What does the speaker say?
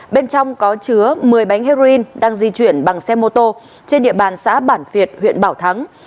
bên trong có chứa một mươi bánh heroin đang di chuyển bằng xe mô tô trên địa bàn xã bản việt huyện bảo thắng